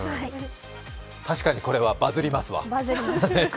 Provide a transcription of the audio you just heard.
確かにこれはバズりますわ。